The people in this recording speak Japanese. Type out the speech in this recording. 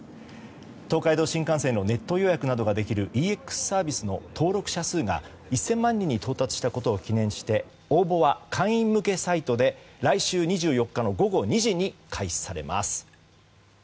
東海道新幹線のネット予約などができるＥＸサービスの登録者数が１０００万人に到達したことを記念して応募は会員向けサイトで来週２４日の午後２時に開始されます。